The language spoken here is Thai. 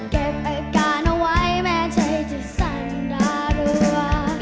เก็บอาการเอาไว้แม้ใจจะสันดารัว